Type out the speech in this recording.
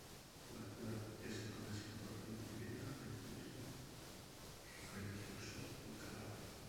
La ciudad es la más importante meta del turismo religioso en Calabria.